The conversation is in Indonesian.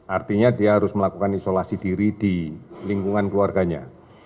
artinya dia harus melakukan isolasi diri di lingkungan keluarganya